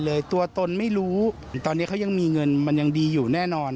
ตัวตนไม่รู้ตอนนี้เขายังมีเงินมันยังดีอยู่แน่นอน